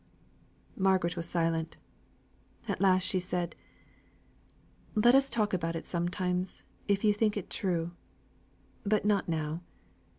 Margaret was silent. At last she said, "Let us talk about it sometimes, if you think it true. But not now.